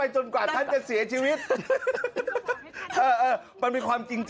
จุ้บวันนี้ว่าน